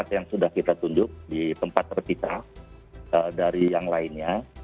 yang sudah kita tunjuk di tempat terpisah dari yang lainnya